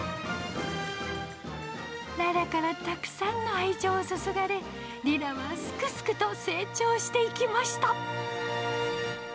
ララからたくさんの愛情を注がれ、リラはすくすくと成長していきました。